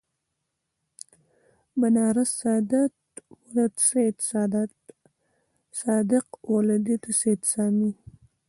بنارس سادات ولد سیدصادق ولدیت سید سامي